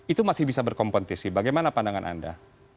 itu masih bisa berkompetisi bagaimana pandangan anda